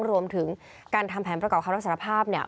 รวมถึงการทำแผนประกอบคำรับสารภาพเนี่ย